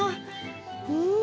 うん！